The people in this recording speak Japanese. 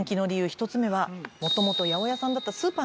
１つ目はもともと八百屋さんだったスーパーならでは。